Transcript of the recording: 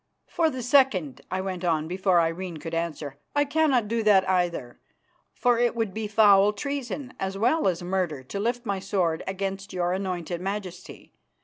"For the second," I went on before Irene could answer, "I cannot do that either, for it would be foul treason as well as murder to lift my sword against your anointed Majesty.